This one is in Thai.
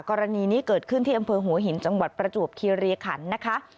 กรณีนี้เกิดขึ้นที่อำเภอหัวหินจังหวัดประจวบคีรีขันนะคะ